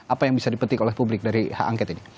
apa yang bisa dipetik oleh publik dari hak angket ini